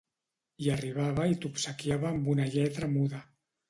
Hi arribava i t'obsequiava amb una lletra muda.